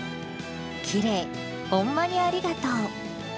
きれいー、ほんまにありがとう。